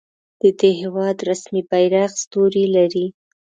د دې هیواد رسمي بیرغ ستوری لري.